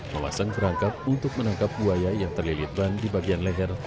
wawasan kerangkap untuk menangkap buaya yang terlilit ban di bagian leher